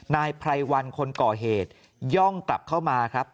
นายไพรวันคนก่อเหตุย่องกลับเข้ามาครับ